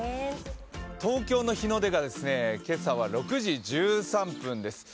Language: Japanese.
東京の日の出が、今朝は６時１３分です。